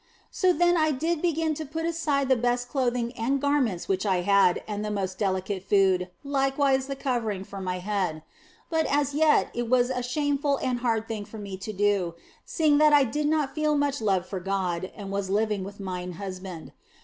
So then I did begin to put aside the best clothing and garments which I had and the most delicate food, likewise the covering for my head. But as yet it was a shameful and a hard thing for me to do, seeing that I did not feel much love for God and was living with mine husband.